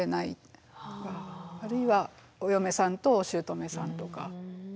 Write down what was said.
あるいはお嫁さんとおしゅうとめさんとか。